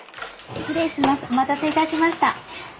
お待たせいたしました。